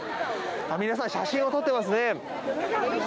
皆さん、写真を撮っていますね。